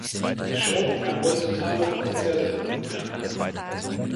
Die Show kann heutzutage für Konzerte gebucht werden.